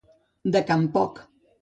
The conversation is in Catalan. De can Poc.